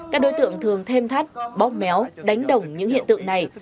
các đối tượng thường thêm thắt bóp méo đánh đồng những hiện tượng này